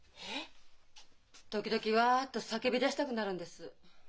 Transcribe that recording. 時々ワッと叫び出したくなるんです。